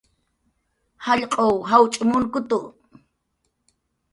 Jallq'uw jawch' munkutu